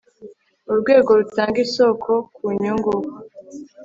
urwego rutanga isoko ku nyungu